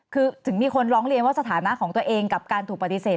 คือถึงมีคนร้องเรียนว่าสถานะของตัวเองกับการถูกปฏิเสธ